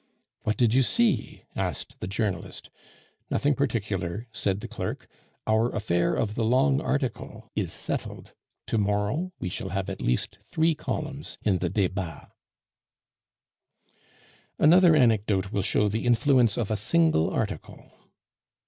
"What did you see?" asked the journalist. "Nothing particular," said the clerk. "Our affair of the long article is settled. To morrow we shall have at least three columns in the Debats." Another anecdote will show the influence of a single article.